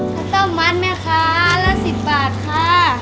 ก็ต้องมันแม่คะละสิบบาทค่ะ